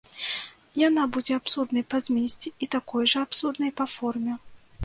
Яна будзе абсурднай па змесце і такой жа абсурднай па форме.